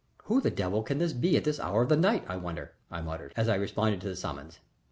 "Who the devil can this be at this hour of the night, I wonder," I muttered, as I responded to the summons.